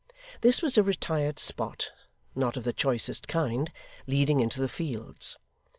This was a retired spot, not of the choicest kind, leading into the fields.